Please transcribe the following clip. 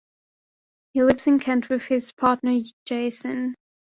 He lives in Kent with his partner Jason.